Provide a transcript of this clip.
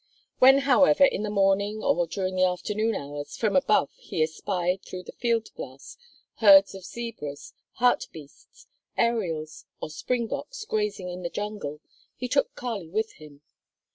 When, however, in the morning or during the afternoon hours, from above he espied, through the field glass, herds of zebras, hartbeests, ariels, or springboks grazing in the jungle, he took Kali with him.